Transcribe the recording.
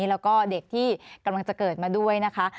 แล้วก็เด็กที่กำลังจะเกิดมาด้วยนะคะ